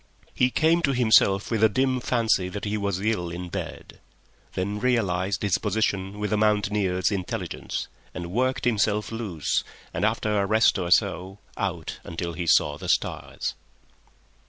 He came to himself with a dim fancy that he was ill in bed; then realized his position with a mountaineer's intelligence and worked himself loose and, after a rest or so, out until he saw the stars.